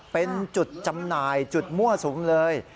เป็นจุดจำหน่ายจุดมั่วสุมเลย